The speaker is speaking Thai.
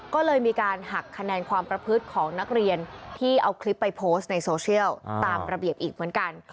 ก็เลยมีการหักคะแนนความประพฤติของนักเรียนที่เอาคลิปไปโพสต์ในโซเชียลตามระเบียบอีกเหมือนกัน